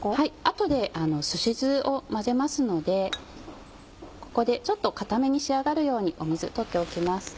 後ですし酢を混ぜますのでここでちょっと硬めに仕上がるように水取っておきます。